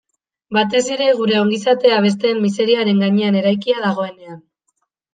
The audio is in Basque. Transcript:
Batez ere, gure ongizatea besteen miseriaren gainean eraikia dagoenean.